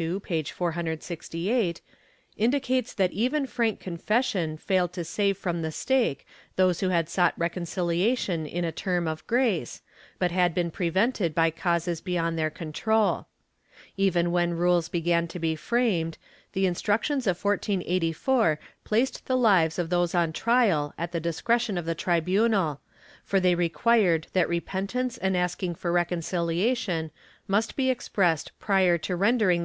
II, p. 468) indicates that even frank confession failed to save from the stake those who had sought reconciliation in a Term of Grace, but had been prevented by causes beyond their control. Even when rules began to be framed, the Instruc tions of 1484 placed the lives of those on trial at the discretion of the tribunal, for they required that repentance and asking for reconciliation must be expressed prior to rendering the final sen ' Archive de Simancas, Inq.